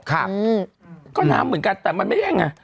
ค่ะก็น้ำเหมือนกันแต่มันไม่ได้แรงน่ะ